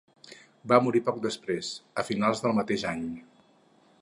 Va morir poc després, a finals del mateix any.